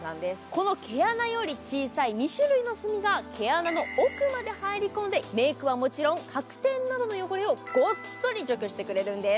この毛穴より小さいミクロな炭が毛穴の奥まで入り込んでメイクはもちろん角栓などの汚れをごっそり除去してくれるんです。